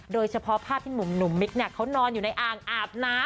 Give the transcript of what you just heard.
โดยเฉพาะภาพที่หนุ่มมิกเขานอนอยู่ในอ่างอาบน้ำ